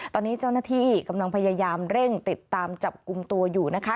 ตอนนี้เจ้าหน้าที่กำลังพยายามเร่งติดตามจับกลุ่มตัวอยู่นะคะ